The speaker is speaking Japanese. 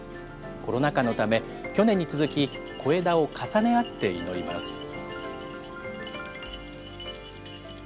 コロナ禍のため、去年に続き、小枝を重ね合って祈ります。